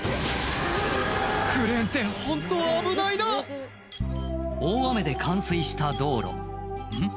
クレーンってホント危ないな大雨で冠水した道路ん？